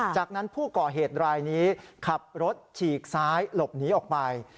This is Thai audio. จากนั้นผู้ก่อเหตุรายนี้ขับรถฉีกซ้ายหลบหนีออกไป